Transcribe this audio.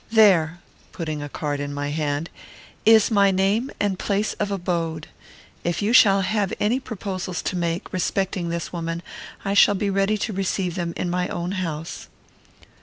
There" (putting a card in my hand) "is my name and place of abode. If you shall have any proposals to make, respecting this woman, I shall be ready to receive them in my own house."